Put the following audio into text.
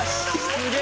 すげえ。